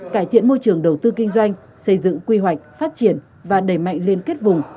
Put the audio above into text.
cải thiện môi trường đầu tư kinh doanh xây dựng quy hoạch phát triển và đẩy mạnh liên kết vùng